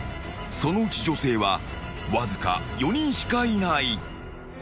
［そのうち女性はわずか４人しかいない］